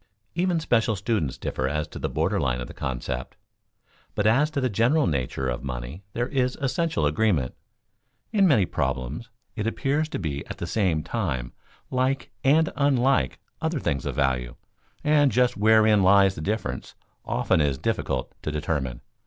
Even special students differ as to the border line of the concept, but as to the general nature of money there is essential agreement. In many problems it appears to be at the same time like and unlike other things of value, and just wherein lies the difference often is difficult to determine.